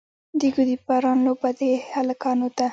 د ګوډي پران لوبه د هلکانو ده.